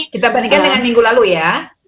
kita bandingkan dengan minggu lalu ya